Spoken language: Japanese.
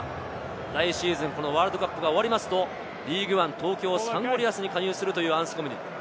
来シーズン、ワールドカップが終わると、リーグワン、東京サンゴリアスに加入するというアンスコム。